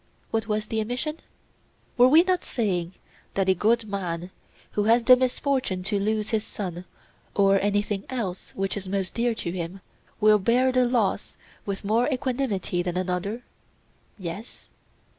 What was the omission? Were we not saying that a good man, who has the misfortune to lose his son or anything else which is most dear to him, will bear the loss with more equanimity than another? Yes.